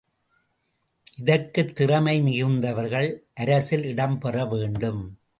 இதற்கு திறமை மிகுந்தவர்கள் அரசில் இடம் பெறவேண்டும்.